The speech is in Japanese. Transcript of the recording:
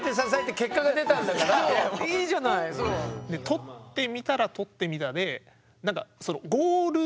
取ってみたら取ってみたでなんか